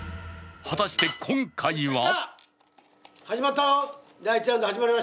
果たして今回は？